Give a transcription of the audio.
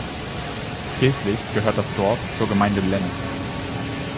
Kirchlich gehört das Dorf zur Gemeinde Lenne.